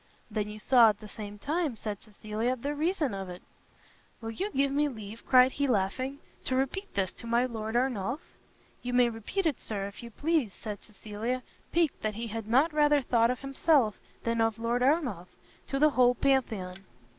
"Then you saw at the same time," said Cecilia, "the reason of it." "Will you give me leave," cried he, laughing, "to repeat this to my Lord Ernolf?" "You may repeat it, Sir, if you please," said Cecilia, piqued that he had not rather thought of himself than of Lord Ernolf, "to the whole Pantheon."